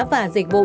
và dịch vụ